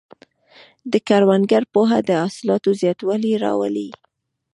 د کروندګر پوهه د حاصلاتو زیاتوالی راولي.